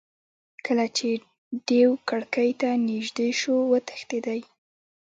کله چې دېو کړکۍ ته نیژدې شو وتښتېدی.